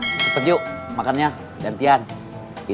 ket genuinely untuk bandenya sendiri